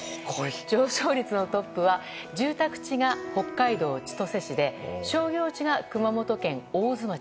上昇率のトップは住宅地が北海道千歳市で商業地が熊本県大津町。